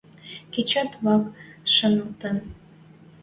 Кечӓт вӓк шаналтын